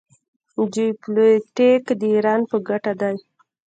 جیوپولیټیک د ایران په ګټه دی.